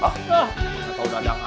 atau dadang aja